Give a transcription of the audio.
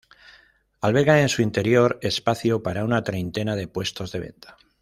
Alberga en su interior espacio para una treintena de puestos de venta.